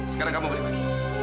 sekarang kamu boleh pergi